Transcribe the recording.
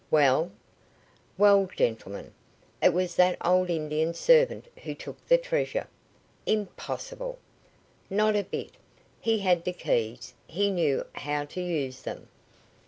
"Well?" "Well, gentlemen, it was that old Indian servant who took the treasure." "Impossible!" "Not a bit. He had the keys he knew how to use them."